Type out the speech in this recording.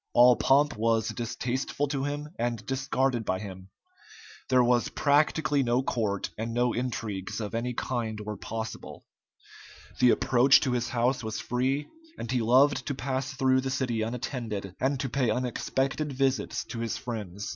All pomp was distasteful to him, and discarded by him. There was practically no court, and no intrigues of any kind were possible. The approach to his house was free, and he loved to pass through the city unattended, and to pay unexpected visits to his friends.